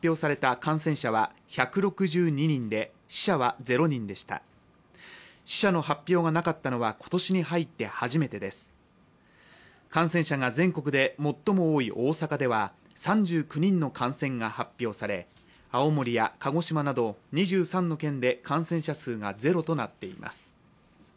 感染者が全国で最も多い大阪では３９人の感染が発表され青森や鹿児島など２３の県で感染者数が０となっています。